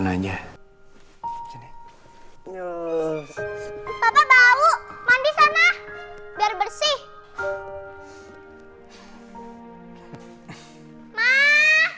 papa bau mandi sana biar bersih